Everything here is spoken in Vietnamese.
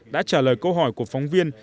đã trả lời câu hỏi của phóng viên